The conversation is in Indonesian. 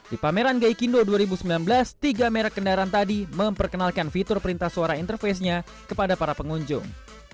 di pameran gaikindo dua ribu sembilan belas tiga merek kendaraan tadi memperkenalkan fitur perintah suara interface nya kepada para pengunjung